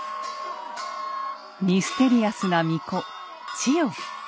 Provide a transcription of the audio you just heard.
ミステリアスな巫女千代。